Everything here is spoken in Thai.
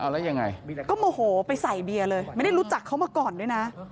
แล้วยังไงก็โมโหไปใส่เบียร์เลยไม่ได้รู้จักเขามาก่อนด้วยนะ